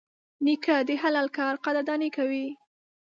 نیکه د حلال کار قدرداني کوي.